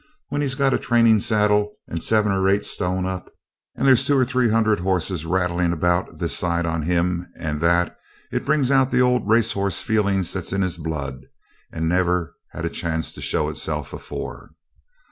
When he's got a training saddle and seven or eight stone up, and there's two or three hundred horses rattling about this side on him and that, it brings out the old racehorse feeling that's in his blood, and never had a chance to show itself afore.'